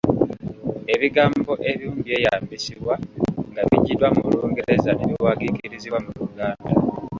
Ebigambo ebimu byeyambisibwa nga biggyiddwa mu Lungereza ne biwagiikirizibwa mu Luganda